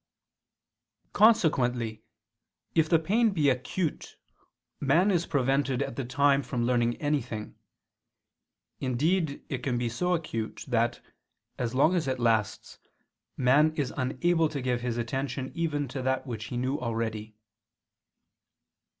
Consequently if the pain be acute, man is prevented at the time from learning anything: indeed it can be so acute, that, as long as it lasts, a man is unable to give his attention even to that which he knew already.